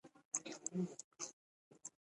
ژبې د افغانستان د دوامداره پرمختګ لپاره اړین دي.